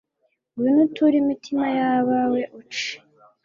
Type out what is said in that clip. ngwino uture imitima y'abawe, uce